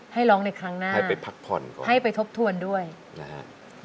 ให้ร้องในครั้งหน้าให้ไปพักผ่อนก่อนให้ไปทบทวนด้วยนะฮะ